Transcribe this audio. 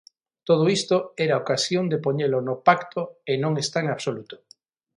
Todo isto era ocasión de poñelo no pacto e non está en absoluto.